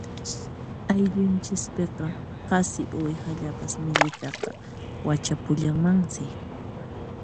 Ayllunchispiqa qasi uwihallapas millitaqa wachapullanmansi.